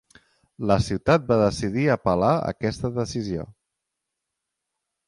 La ciutat va decidir apel·lar aquesta decisió.